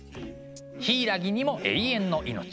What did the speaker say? ヒイラギにも永遠の命。